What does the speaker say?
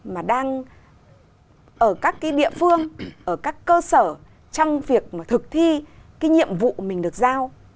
mà đang ở các cái địa phương ở các cơ sở trong việc mà thực thi cái nhiệm vụ mình được giao